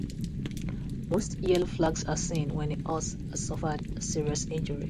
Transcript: Most yellow flags are seen when a horse has suffered a serious injury.